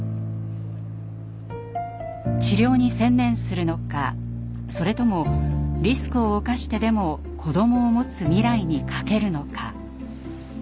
治療に専念するのかそれともリスクを冒してでも子どもをもつ未来にかけるのか。